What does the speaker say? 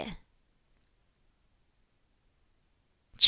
CHAP.